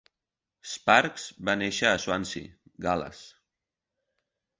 Sparkes va néixer a Swansea, Gal·les.